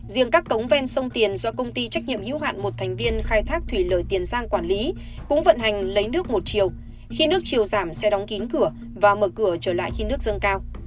riêng các cống ven sông tiền do công ty trách nhiệm hữu hạn một thành viên khai thác thủy lợi tiền giang quản lý cũng vận hành lấy nước một chiều khi nước chiều giảm sẽ đóng kín cửa và mở cửa trở lại khi nước dâng cao